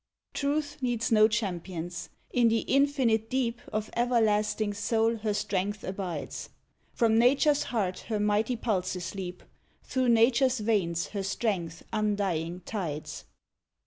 Truth needs no champions: in the infinite deep Of everlasting Soul her strength abides, From Nature's heart her mighty pulses leap, Through Nature's veins her strength, undying, tides.